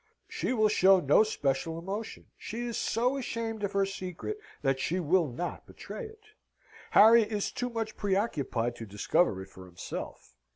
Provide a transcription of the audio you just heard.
She will show no special emotion: she is so ashamed of her secret, that she will not betray it. Harry is too much preoccupied to discover it for himself.